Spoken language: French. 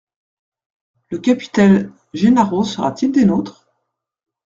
Le capitaine Gennaro sera-t-il des nôtres ?